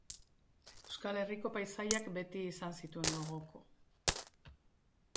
Euskal Herriko paisaiak beti izan zituen gogoko.